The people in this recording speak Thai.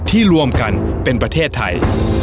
รวมกันเป็นประเทศไทย